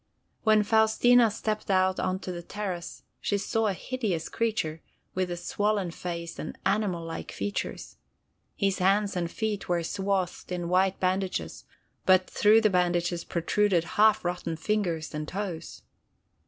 When Faustina stepped out upon the terrace, she saw a hideous creature with a swollen face and animal like features. His hands and feet were swathed in white bandages, but through the bandages protruded half rotted fingers and toes.